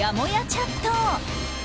チャット。